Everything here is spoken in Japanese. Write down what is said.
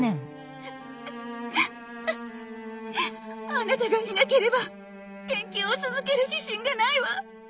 あなたがいなければ研究を続ける自信がないわ。